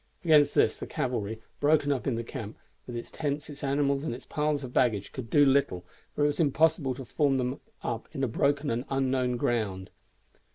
Against this the cavalry, broken up in the camp, with its tents, its animals, and its piles of baggage, could do little, for it was impossible to form them up in the broken and unknown ground.